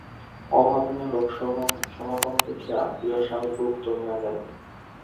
অভাবনীয় লোকসমাগম দেখিয়া গৃহস্বামীর বুক দমিয়া গেল।